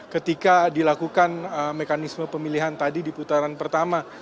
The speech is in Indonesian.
ketika dilakukan mekanisme pemilihan tadi di putaran pertama